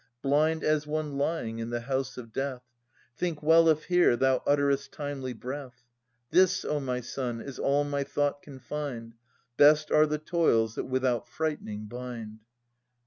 Blind, as one lying in the house of death. (Think well if here thou utter est timely breath.) This, O my son, is all my thought can find. Best are the toils that without frightening bind.